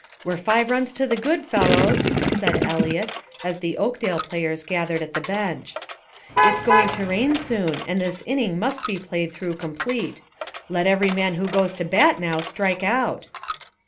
"We're five runs to the good, fellows," said Eliot, as the Oakdale players gathered at the bench. "It's going to rain soon, and this inning must be played through complete. Let every man who goes to bat now strike out."